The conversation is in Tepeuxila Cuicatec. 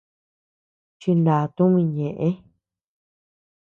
Chiná tumi ñeʼe.